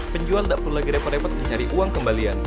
penjual tidak perlu lagi repot repot mencari uang kembalian